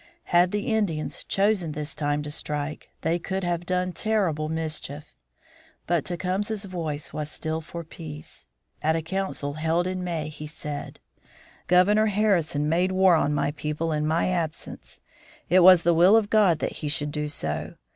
Had the Indians chosen this time to strike, they could have done terrible mischief. But Tecumseh's voice was still for peace. At a council held in May, he said: "Governor Harrison made war on my people in my absence; it was the will of God that he should do so.